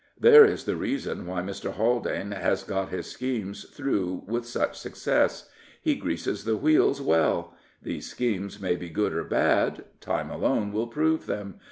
There is the reason why Mr. Haldane has got his schemes through with such success. He greases the wheels well. These schemes may be good or bad. Time alone will prove them.